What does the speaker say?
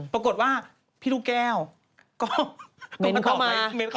ปรากฏว่าพี่ลูกแก้วก็เม้นเข้ามา